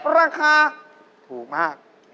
ราคาถูกมาก